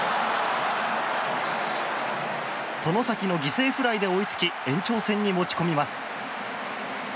外崎の犠牲フライで追いつき延長戦に持ち込みます。